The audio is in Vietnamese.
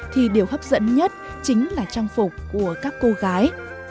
thì điều hấp dẫn nhất chính là trang phục của các cô gái